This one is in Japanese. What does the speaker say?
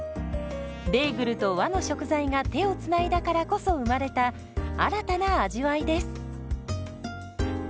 ベーグルと和の食材が手をつないだからこそ生まれた新たな味わいです。